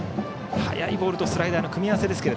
速いボールとスライダーの組み合わせですが。